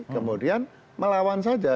kemudian melawan saja